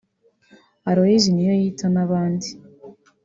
Aloys Niyoyita n’abandi